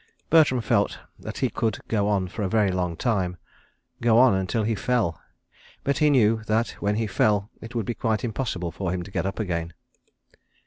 ... Bertram felt that he could go on for a very long time; go on until he fell; but he knew that when he fell it would be quite impossible for him to get up again.